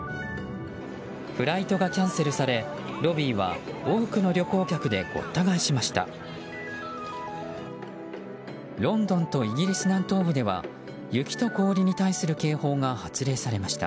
フライトがキャンセルされロビーは多くの旅行客でごった返しました。